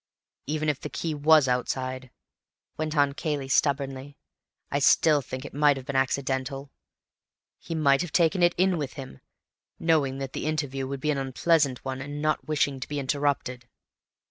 "Even if the key was outside," went on Cayley stubbornly, "I still think it might have been accidental. He might have taken it in with him, knowing that the interview would be an unpleasant one, and not wishing to be interrupted."